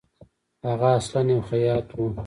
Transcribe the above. هغه اصلاً یو خیاط وو.